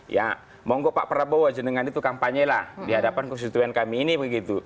ya mohon gue pak prabowo aja dengan itu kampanye lah di hadapan konstituen kami ini begitu